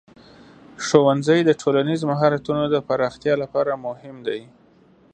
ښوونځی د ټولنیز مهارتونو د پراختیا لپاره مهم دی.